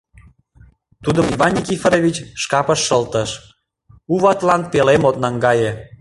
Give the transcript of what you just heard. Тудым Иван Никифорович шкапыш шылтыш — у ватылан пелем от наҥгае.